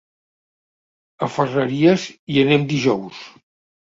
A Ferreries hi anem dijous.